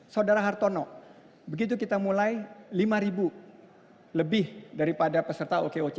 saudara hartono begitu kita mulai lima ribu lebih daripada peserta okoc